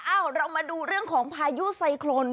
อ้าวเรามาดูเรื่องของพายุไซคลน